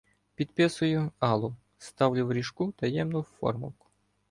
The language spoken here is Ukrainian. Підписую — Алов, ставлю в ріжку таємну "формулку".